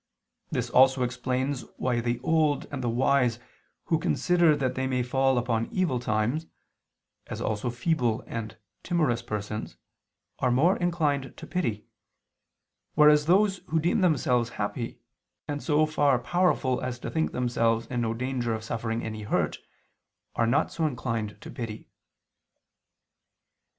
This also explains why the old and the wise who consider that they may fall upon evil times, as also feeble and timorous persons, are more inclined to pity: whereas those who deem themselves happy, and so far powerful as to think themselves in no danger of suffering any hurt, are not so inclined to pity.